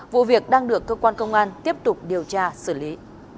vụ việc đang được cơ quan công an tiếp tục điều tra xử lý